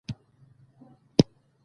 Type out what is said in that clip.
رسوب د افغانستان د اقتصاد برخه ده.